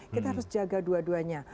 kita harus jaga dua duanya